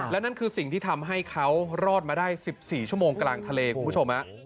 และนั่นคือสิ่งที่ทำให้เขารอดมาได้๑๔ชั่วโมงกลางทะเลคุณผู้ชม